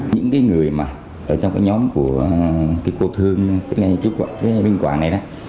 những cái người mà ở trong cái nhóm của cái cô thương cái bên quảng này đó